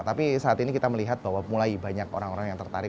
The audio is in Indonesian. tapi saat ini kita melihat bahwa mulai banyak orang orang yang tertarik